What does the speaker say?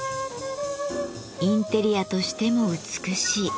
インテリアとしても美しい。